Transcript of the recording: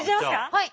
はい。